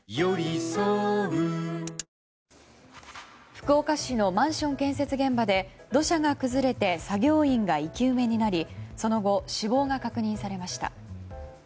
福岡市のマンション建設現場で土砂が崩れて作業員が生き埋めになりその後、死亡が確認されました。